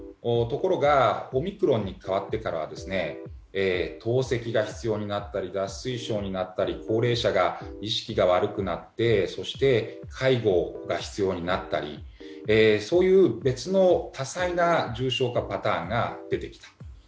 ところが、オミクロンに変わってからは透析が必要になったり脱水症になったり高齢者が意識が悪くなってそして介護が必要になったりそういう別の多彩な重症化パターンが出てきた。